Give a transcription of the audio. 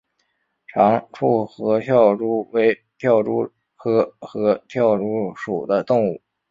长触合跳蛛为跳蛛科合跳蛛属的动物。